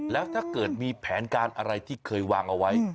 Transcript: แล้วถ้าเกิดมีแผนการอะไรที่เคยวางเอาไว้